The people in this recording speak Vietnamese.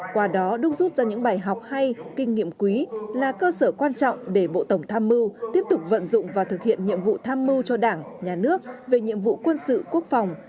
qua đó đúc rút ra những bài học hay kinh nghiệm quý là cơ sở quan trọng để bộ tổng tham mưu tiếp tục vận dụng và thực hiện nhiệm vụ tham mưu cho đảng nhà nước về nhiệm vụ quân sự quốc phòng